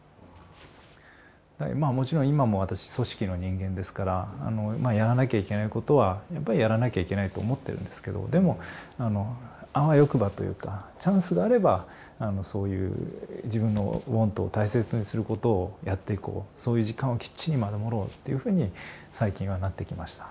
もちろん今も私組織の人間ですからやらなきゃいけないことはやっぱりやらなきゃいけないと思ってるんですけどでもあわよくばというかチャンスがあればそういう自分の「ｗａｎｔ」を大切にすることをやっていこうそういう時間をきっちり守ろうっていうふうに最近はなってきました。